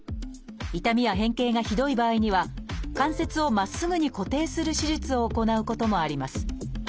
痛みや変形がひどい場合には関節をまっすぐに固定する手術を行うこともあります。